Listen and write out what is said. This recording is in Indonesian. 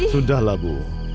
sudah lah bu